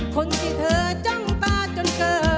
คนที่เธอจ้องตาจนเจอ